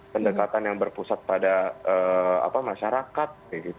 pendekatan yang berpusat pada masyarakat